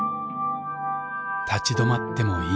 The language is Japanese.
立ち止まってもいい。